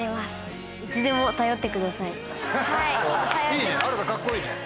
いいねあらたカッコいいね。